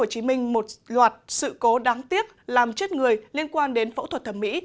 hồ chí minh một loạt sự cố đáng tiếc làm chết người liên quan đến phẫu thuật thẩm mỹ